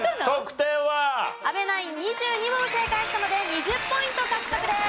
阿部ナイン２２問正解したので２０ポイント獲得です。